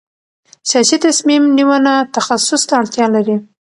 سیاسي تصمیم نیونه تخصص ته اړتیا لري